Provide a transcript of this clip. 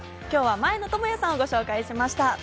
今日は前野朋哉さんをご紹介しました。